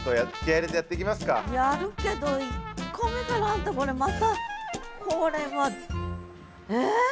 やるけど１個目からあんたこれまたこれはえ？